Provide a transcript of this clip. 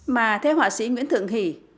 mà theo họa sĩ nguyễn thượng hỷ